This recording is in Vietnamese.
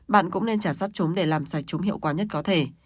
bạn cũng nên trả sát chúng để làm sạch chúng hiệu quả nhất có thể